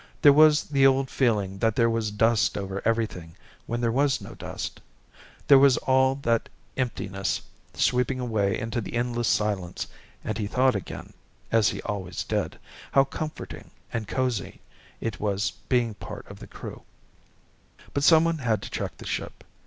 There was the old feeling that there was dust over everything when there was no dust. There was all that emptiness sweeping away into the endless silence and he thought again, as he always did, how comforting and cozy it was being a part of the Crew. But someone had to check the ship.